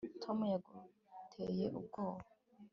tom yaguteye ubwoba